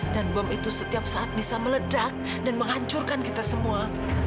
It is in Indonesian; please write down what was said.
dan bom itu setiap saat bisa meledak dan menghancurkan kita semua